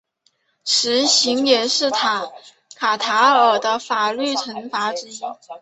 石刑也是卡塔尔的法律惩罚之一。